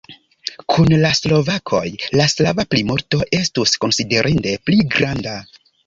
Kun la slovakoj la slava plimulto estus konsiderinde pli granda.